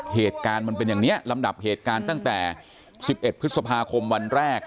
เหตุการณ์มันเป็นอย่างนี้ลำดับเหตุการณ์ตั้งแต่๑๑พฤษภาคมวันแรก